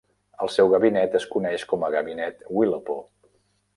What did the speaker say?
El seu gabinet es coneix com a Gabinet Wilopo.